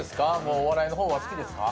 お笑いの方は好きですか？